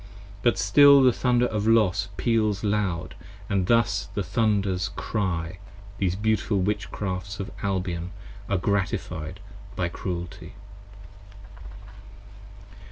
But still the thunder of Los peals loud & thus the thunders cry: 68 These beautiful Witchcrafts of Albion, are gratifyd by Cruelty.